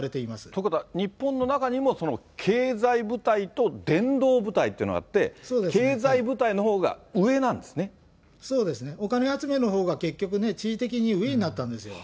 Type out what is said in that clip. ということは、日本の中にもその経済部隊と伝道部隊っていうのがあって、経済部そうですね、お金集めのほうが、結局地位的に上になったんですよ。